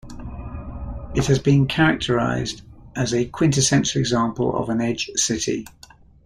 It has been characterized as a quintessential example of an edge city.